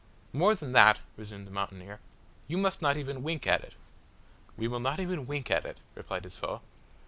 "More than that" resumed the mountaineer, "you must not even wink at it." "We will not even wink at it," replied his foe.